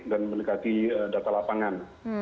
dan mendekati data lapangan